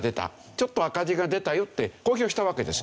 ちょっと赤字が出たよって公表したわけです。